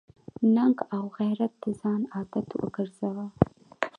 ننګ او غیرت د ځان عادت وګرځوه.